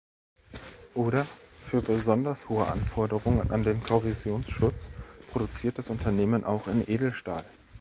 Oder für besonders hohe Anforderungen an den Korrosionsschutz produziert das Unternehmen auch in Edelstahl.